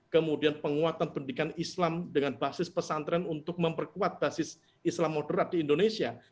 kemudian penguatan pendidikan islam dengan basis pesantren untuk memperkuat basis islam moderat di indonesia